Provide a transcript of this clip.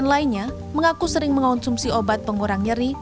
sembilan lainnya mengaku sering mengonsumsi obat pengurang nyeri